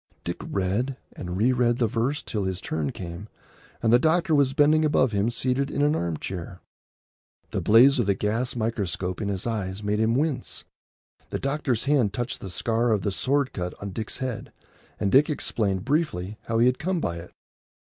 Dick read and re read the verse till his turn came, and the doctor was bending above him seated in an arm chair. The blaze of the gas microscope in his eyes made him wince. The doctor's hand touched the scar of the sword cut on Dick's head, and Dick explained briefly how he had come by it.